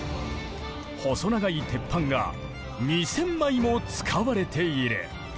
細長い鉄板が２，０００枚も使われている。